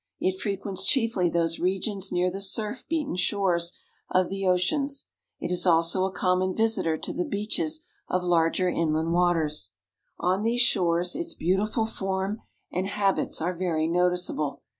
It frequents chiefly those regions near the surf beaten shores of the oceans. It is also a common visitor to the beaches of larger inland waters. On these shores its beautiful form and habits are very noticeable.